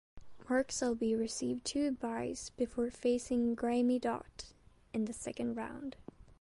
Mark Selby received two byes before facing Graeme Dott in the second round.